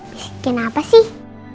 bisikin apa sih